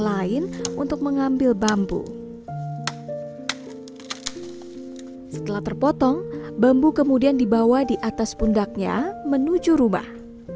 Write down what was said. lain untuk mengambil bambu setelah terpotong bambu kemudian dibawa di atas pundaknya menuju rumah